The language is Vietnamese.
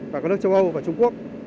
và các nước châu âu và trung quốc